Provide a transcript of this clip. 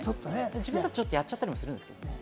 自分もちょっとやっちゃったりするんですけど。